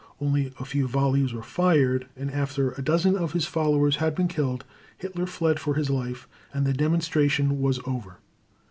Only a few volleys were fired; and after a dozen of his followers had been killed, Hitler fled for his life, and the demonstration was over.